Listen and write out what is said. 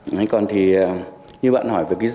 nói còn thì như bạn hỏi về cái dòng